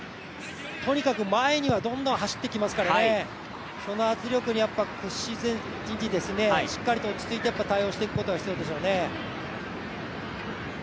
とにかく前にはどんどん走ってきますからその圧力には屈せずにしっかりと落ち着いて対応していくことが必要でしょうね。